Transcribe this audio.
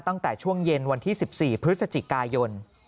ตั้งแต่ช่วงเย็นวันที่๑๔พฤศจิกายน